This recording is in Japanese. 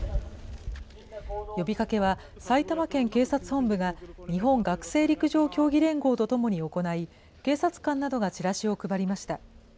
呼びかけは埼玉県警察本部が、日本学生陸上競技連合とともに行い、警察官などがチラシを配りました。